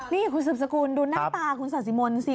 นี่คุณสืบสกุลดูหน้าตาคุณศาสิมนต์สิ